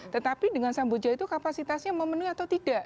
tetapi dengan samboja itu kapasitasnya memenuhi atau tidak